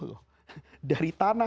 dari tanah yang berada di atasnya